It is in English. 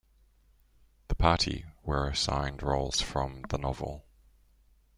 The party were assigned roles from the novel.